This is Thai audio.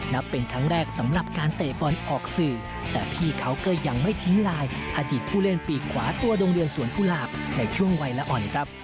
นับเป็นครั้งแรกสำหรับการเตะบอลออกสื่อแต่พี่เขาก็ยังไม่ทิ้งลายอดีตผู้เล่นปีกขวาตัวดงเดือนสวนกุหลาบในช่วงวัยละอ่อนครับ